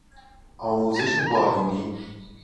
آموزش بالینی